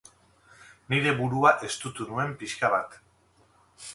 Nire burua estutu nuen pixka bat.